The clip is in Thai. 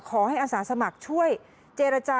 ขอให้อสาธารณ์สมัครช่วยเจรจา